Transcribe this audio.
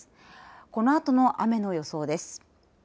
このあとの雨の予想です。